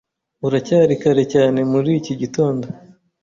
Uracyari kare cyane muri iki gitondo.